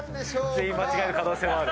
全員間違える可能性もある。